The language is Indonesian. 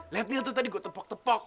lihat meal tuh tadi gue tepok tepok